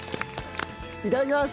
いただきます！